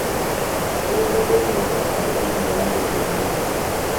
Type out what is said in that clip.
سوۡ گہ دومہ بہ خلکِیم باندیۡ کِرنانوۡ۔